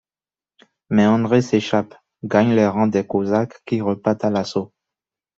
Mais André s'échappe, gagne les rangs des Cosaques qui repartent à l'assaut.